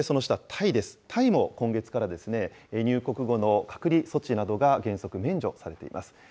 タイも今月から入国後の隔離措置などが原則免除されています。